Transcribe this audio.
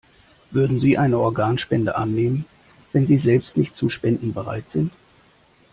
Würden Sie eine Organspende annehmen, wenn Sie selbst nicht zum Spenden bereit sind?